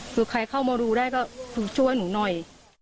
คือใครเข้ามาดูได้ก็ช่วยหนูหน่อย